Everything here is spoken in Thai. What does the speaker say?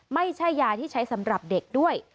ไม่ใช่ยาที่ใช้สำหรับเด็กด้วย